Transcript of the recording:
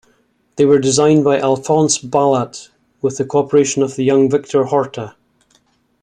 They were designed by Alphonse Balat, with the cooperation of the young Victor Horta.